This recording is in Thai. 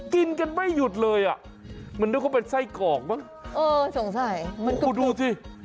กินกันไม่หยุดเลยอ่ะมันนึกว่าเป็นไส้กรอกมั้งเออสงสัยมันดูดูสิ